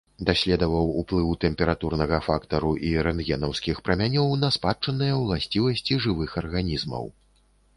Даследаваў уплыў тэмпературнага фактару і рэнтгенаўскіх прамянёў на спадчынныя ўласцівасці жывых арганізмаў.